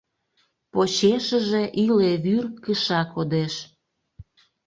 Почешыже иле вӱр кыша кодеш.